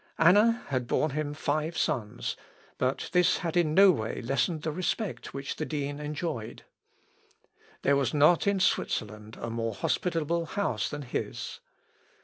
Anna had borne him five sons, but this had in no way lessened the respect which the dean enjoyed. There was not in Switzerland a more hospitable house than his.